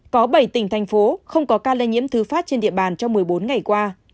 có bảy tỉnh thành phố không có ca lây nhiễm thứ phát trên địa bàn trong một mươi bốn ngày qua